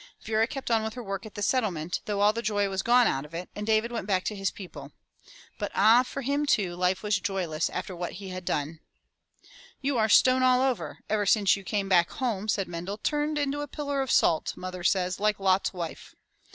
Vera kept on with her work at the Settlement though all the joy was gone out of it, and David went back to his people. But ah! for him, too, life was joyless after what he had done. '*You are stone all over, ever since you came back home," said Mendel. Turned into a pillar of salt. Mother says, like Lot's wife!"